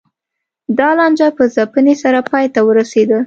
دا لانجه په ځپنې سره پای ته ورسېده.